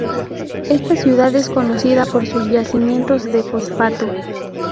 Esta ciudad es conocida por sus yacimientos de fosfato.